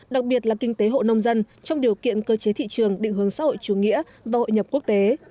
đặc biệt là kinh tế hộ nông dân trong điều kiện cơ chế thị trường định hướng xã hội chủ nghĩa và hội nhập quốc tế